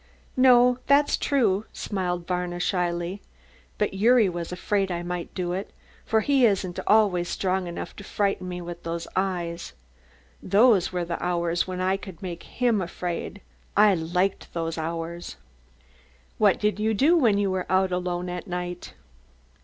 "No, that's true," smiled Varna slyly. "But Gyuri was afraid I might do it, for he isn't always strong enough to frighten me with his eyes. Those were the hours when I could make him afraid I liked those hours " "What did you do when you were out alone at night?"